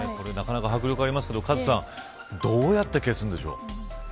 なかなか迫力ありますけどカズさんどうやって消すんでしょう。